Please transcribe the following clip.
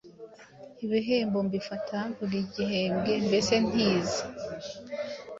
Ibihembo mbifata buri gihembwe mbese ntinze